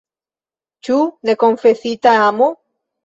Ĉu nekonfesita amo?